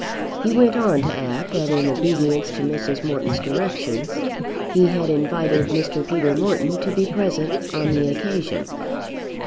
He went on to add that in obedience to Mrs. Morton's directions he had invited Mr. Peter Morton to be present on the occasion.